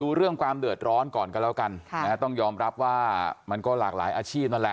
เรื่องความเดือดร้อนก่อนกันแล้วกันต้องยอมรับว่ามันก็หลากหลายอาชีพนั่นแหละ